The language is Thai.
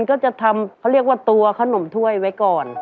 ก็จะทำเขาเรียกว่าตัวขนมถ้วยไว้ก่อน